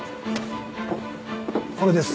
これです。